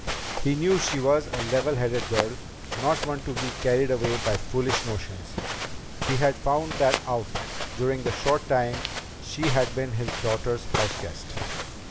He knew she was a level headed girl, not one to be carried away by foolish notions. He had found that out during the short time she had been his daughters' house guest.